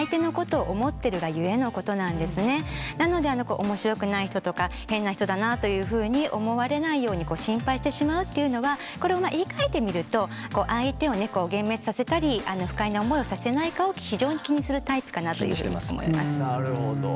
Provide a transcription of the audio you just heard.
なのでおもしろくない人とか変な人だなというふうに思われないように心配してしまうというのはこれを言いかえてみると相手を幻滅させたり不快な思いをさせないかを非常に気にするタイプかなというふうに思います。